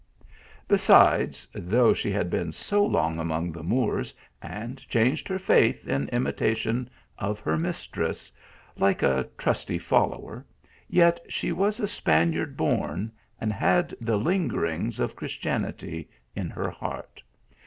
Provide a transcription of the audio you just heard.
Beside, though she had been so long among the Moors, and changed her faith, in imitation of her mistress, like a trusty follower, yet she was a Span iard born, and had the lingerings of Christianity in her heart.